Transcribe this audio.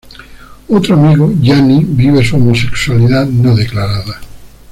Otro amigo, Gianni, vive su homosexualidad no declarada.